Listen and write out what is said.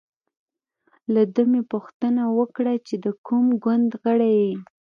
له ده مې پوښتنه وکړه چې د کوم ګوند غړی یې.